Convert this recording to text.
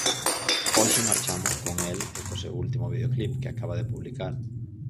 Hoxe marchamos con el e co seu último videoclip, que acaba de publicar.